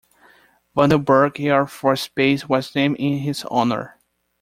Vandenberg Air Force Base was named in his honor.